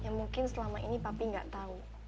ya mungkin selama ini papi gak tau